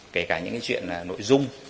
kể cả những cái chuyện là nội dung